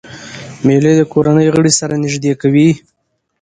مېلې د کورنۍ غړي سره نږدې کوي.